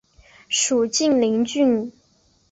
属晋陵郡。